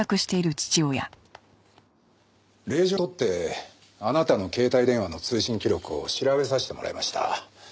令状を取ってあなたの携帯電話の通信記録を調べさせてもらいました。